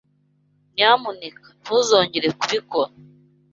Nyamuneka ntuzongere kubikora